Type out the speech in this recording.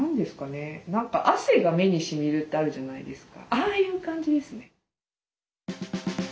ああいう感じですね。